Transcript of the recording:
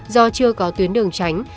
do chưa có tuyến đường tránh